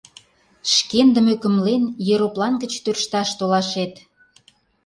Шкендым ӧкымлен, ероплан гыч тӧршташ толашет.